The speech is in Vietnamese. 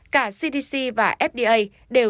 cả cdc và fda